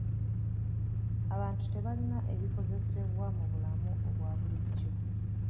Abantu tebalina ebikozesebwa mu bulamu obwa bulijjo.